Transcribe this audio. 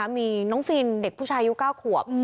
มีน้องฟินเด็กผู้ชายอายุ๙ขวบ